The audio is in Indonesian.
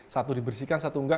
satu dibersihkan satu enggak